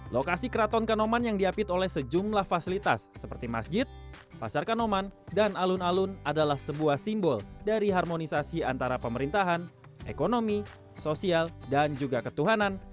lokasi keraton kanoman yang diapit oleh sejumlah fasilitas seperti masjid pasar kanoman dan alun alun adalah sebuah simbol dari harmonisasi antara pemerintahan ekonomi sosial dan juga ketuhanan